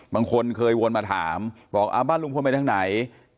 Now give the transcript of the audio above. บางคนเคยวนมาถามบอกบ้านลุงพลไปทางไหน